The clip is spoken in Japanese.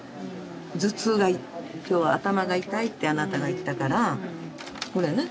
頭痛が今日は頭が痛いってあなたが言ったからこれね。